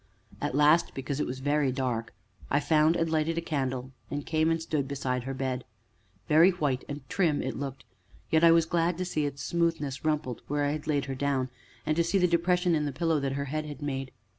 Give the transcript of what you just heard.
At last, because it was very dark, I found and lighted a candle, and came and stood beside her bed. Very white and trim it looked, yet I was glad to see its smoothness rumpled where I had laid her down, and to see the depression in the pillow that her head had made.